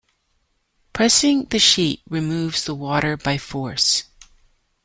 Pressing the sheet removes the water by force.